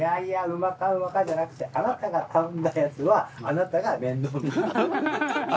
まかうまかじゃなくてあなたが頼んだやつはあなたが面倒みてください。